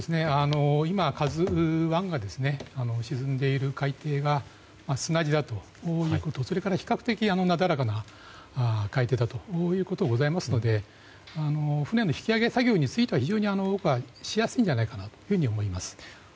今、「ＫＡＺＵ１」が沈んでいる海底が砂地だということそれから比較的なだらかな海底ということもございますので船の引き揚げ作業についてはしやすいと思います。